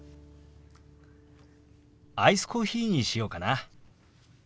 アイスコーヒーにしようかな。